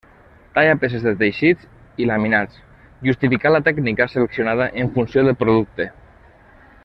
Talla peces de teixits i laminats, justificant la tècnica seleccionada en funció del producte.